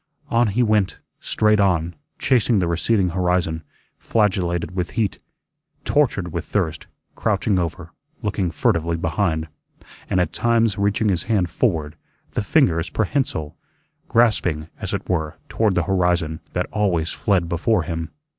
On he went, straight on, chasing the receding horizon; flagellated with heat; tortured with thirst; crouching over; looking furtively behind, and at times reaching his hand forward, the fingers prehensile, grasping, as it were, toward the horizon, that always fled before him.